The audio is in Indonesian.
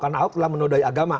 karena ahok telah menodai agama